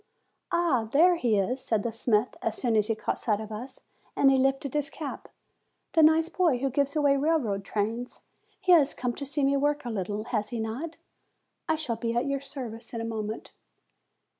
"Ah! here he is," said the smith, as soon as he caught sight of us, and he lifted his cap, "the nice boy who gives away railway trains! He has come to see me work a little, has he not? I shall be at your service in a moment."